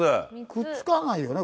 くっつかないよね？